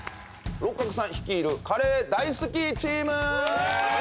六角さん率いるカレー大好きチーム！